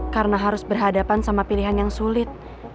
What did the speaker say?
karena harus berhadapan sama pilihan yang sulit